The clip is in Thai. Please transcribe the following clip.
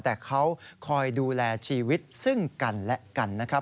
แต่เขาคอยดูแลชีวิตซึ่งกันและกันนะครับ